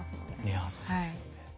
いやそうですよね。